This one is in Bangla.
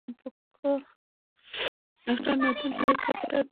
একটা নতুন হেলিকপ্টার পেতে কতক্ষণ লাগবে?